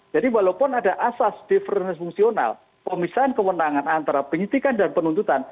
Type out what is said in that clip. jadi walaupun ada asas diferensi fungsional pemisahan kewenangan antara penyitikan dan penuntutan